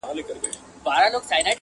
حوري او ښایسته غلمان ګوره چي لا څه کیږي!